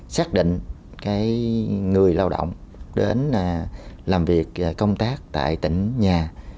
xác định người lao động đến làm việc công tác tại tỉnh nhà